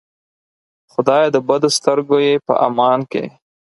خدایه د بدو سترګو یې په امان کې.